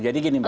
jadi gini pak